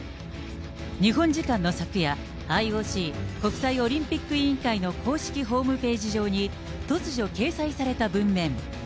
日本時間の昨夜、ＩＯＣ・国際オリンピック委員会の公式ホームページ上に、突如、掲載された文面。